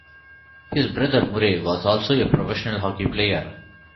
His brother Murray was also a professional hockey player.